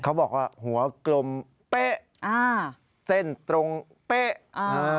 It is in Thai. เขาบอกว่าหัวกลมเป๊ะอ่าเส้นตรงเป๊ะอ่า